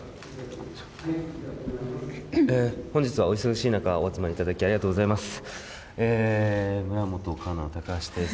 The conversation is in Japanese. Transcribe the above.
本日はお忙しい中、お集まりいただき、ありがとうございます。